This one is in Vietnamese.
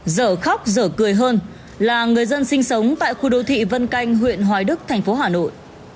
dở khóc dở cười hơn là người dân sinh sống tại khu đô thị vân canh huyện hoài đức thành phố hà nội